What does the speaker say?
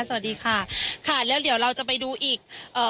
สวัสดีค่ะค่ะแล้วเดี๋ยวเราจะไปดูอีกเอ่อ